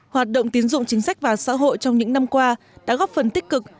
hoạt động tiến dụng chính sách và xã hội trong những năm qua đã góp phần tích cực